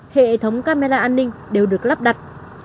hệ thống camera an ninh đều được lắp đặt